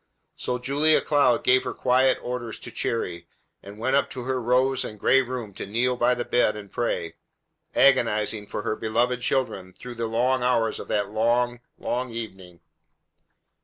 So Julia Cloud gave her quiet orders to Cherry, and went up to her rose and gray room to kneel by the bed and pray, agonizing for her beloved children through the long hours of that long, long evening.